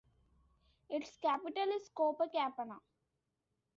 Its capital is Copacabana.